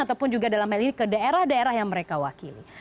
ataupun juga dalam hal ini ke daerah daerah yang mereka wakili